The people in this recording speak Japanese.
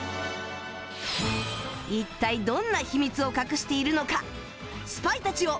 一体どんな秘密を隠しているのかスパイたちよ